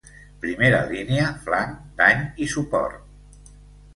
Primera línia, Flanc, Dany i Suport.